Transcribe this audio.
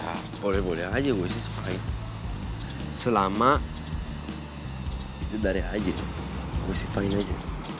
ya boleh boleh aja gue sih supaya selama itu dari aja gue sifah ini aja